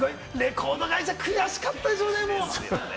レコード会社、悔しかったでしょうね！